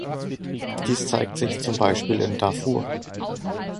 Dies zeigt sich zum Beispiel in Darfur.